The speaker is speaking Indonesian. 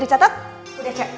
lihat tak udah cek